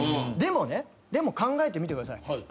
でもね考えてみてください。